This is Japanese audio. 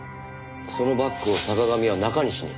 そのバッグを坂上は中西に。